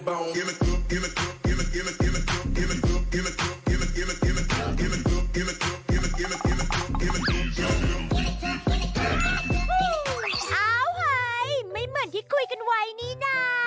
หายไม่เหมือนที่คุยกันไว้นี่นะ